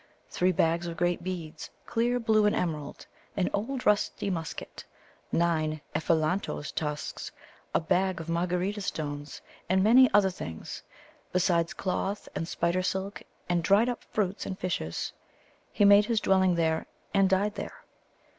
three bags of great beads, clear, blue, and emerald; an old rusty musket; nine ephelantoes' tusks; a bag of Margarita stones; and many other things, besides cloth and spider silk and dried up fruits and fishes. He made his dwelling there, and died there.